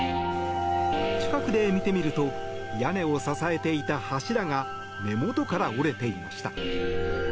近くで見てみると屋根を支えていた柱が根元から折れていました。